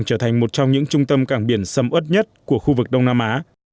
trở thành một trong những trung tâm cảng biển sầm ớt nhất của khu vực đông nam á